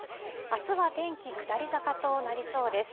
あすは天気下り坂となりそうです。